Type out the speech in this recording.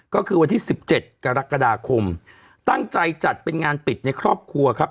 ก็คือวันที่๑๗กรกฎาคมตั้งใจจัดเป็นงานปิดในครอบครัวครับ